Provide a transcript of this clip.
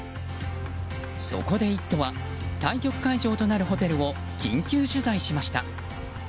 そこで「イット！」は対局会場となるホテルを緊急取材しました。